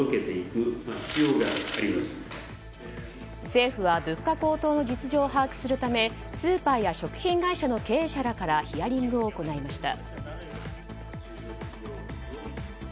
政府は物価高騰の実情を把握するためスーパーや食品会社の経営者からヒアリングを行いました。